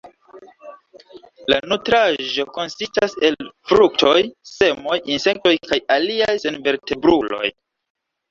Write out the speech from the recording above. La nutraĵo konsistas el fruktoj, semoj, insektoj kaj aliaj senvertebruloj.